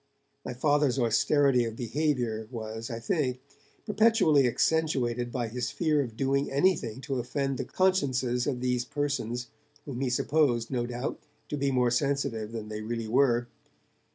My Father's austerity of behaviour was, I think, perpetually accentuated by his fear of doing anything to offend the consciences of these persons, whom he supposed, no doubt, to be more sensitive than they really were.